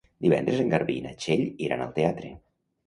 Divendres en Garbí i na Txell iran al teatre.